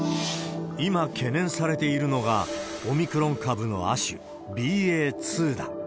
今懸念されているのが、オミクロン株の亜種、ＢＡ．２だ。